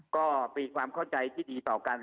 ก็มีความเข้าใจที่ดีต่อกัน